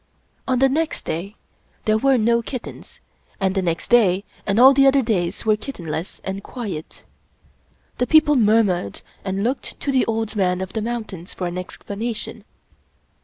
On the next day there were no kittens, and the next day and all the other days were kittenless and quiet. The people murmured and loojced to the Old Man of the 26 Rudyard Kipling Mountains for an explanation.